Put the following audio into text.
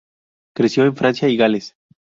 Creció en Francia y Gales.